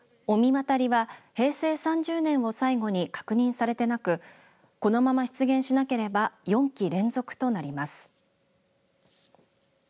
御神渡りは平成３０年を最後に確認されてなくこのまま出現しなければ４季連続となります。